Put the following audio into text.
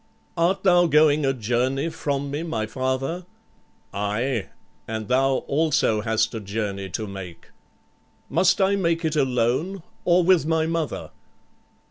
"Art thou going a journey from me, my father?" "Aye, and thou also hast a journey to make." "Must I make it alone, or with my mother?"